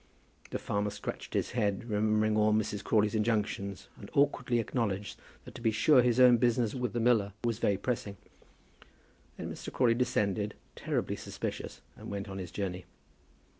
The farmer scratched his head, remembering all Mrs. Crawley's injunctions, and awkwardly acknowledged that to be sure his own business with the miller was very pressing. Then Mr. Crawley descended, terribly suspicious, and went on his journey.